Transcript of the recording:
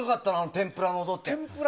てんぷらの音って。